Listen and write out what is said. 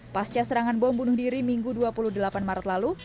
pasca serangan bom bunuh diri minggu dua puluh delapan maret lalu